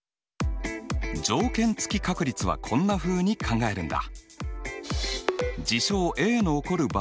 条件付き確率はこんなふうに考えるんだ。